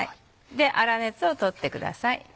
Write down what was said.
で粗熱を取ってください。